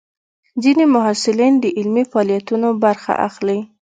ځینې محصلین د علمي فعالیتونو برخه اخلي.